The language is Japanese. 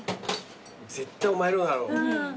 絶対お前のだろ。